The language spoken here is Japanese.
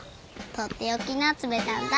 とっておきの集めたんだ。